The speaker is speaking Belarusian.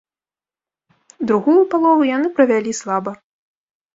Другую палову яны правялі слаба.